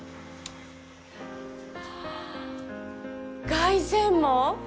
凱旋門！